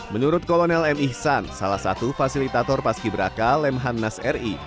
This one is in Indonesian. menurut kolonel m ihsan salah satu fasilitator paski braka lemhan nas ri